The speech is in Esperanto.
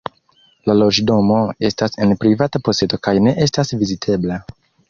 La loĝdomo estas en privata posedo kaj ne estas vizitebla.